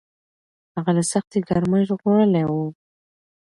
هغه له سختې ګرمۍ ژغورلی و.